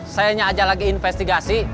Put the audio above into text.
sayangnya aja lagi investigasi